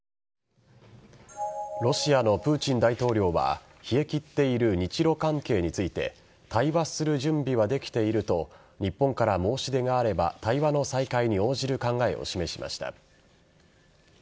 ロシアのプーチン大統領は冷え切っている日露関係について対話する準備はできていると日本から申し出があれば対話の再開に応じる考えを示しました。